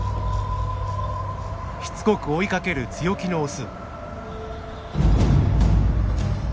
しつこく追いかける強気のオス。